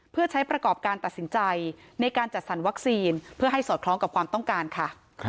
เพื่อใช้ประกอบการตัดสินใจในการจัดสรรวัคซีนเพื่อให้สอดคล้องกับความต้องการค่ะ